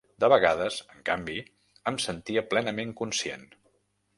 De vegades, en canvi, em sentia plenament conscient